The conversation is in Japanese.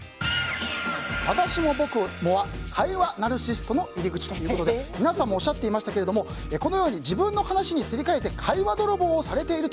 私も、僕もは会話ナルシストの入り口ということで皆さんもおっしゃっていましたがこのように自分の話にすり替えて会話泥棒をされている